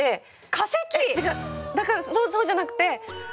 だからそうじゃなくて！